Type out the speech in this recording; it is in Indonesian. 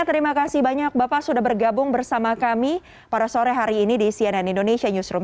terima kasih banyak bapak sudah bergabung bersama kami pada sore hari ini di cnn indonesia newsroom